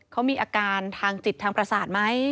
เค้ามีอาการทางจิตทางปราศาสตร์ไหม